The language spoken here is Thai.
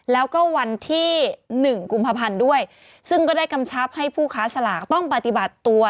แล้วก็วันที่๑กุมภาพันธ์ด้วยซึ่งก็ได้กำชับให้ผู้ค้าสลากต้องปฏิบัติตัว